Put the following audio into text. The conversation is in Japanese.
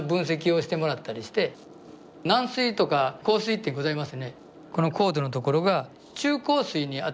軟水とか硬水ってございますね。